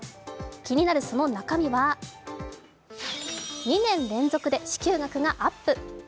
気になるその中身は２年連続で支給額がアップ。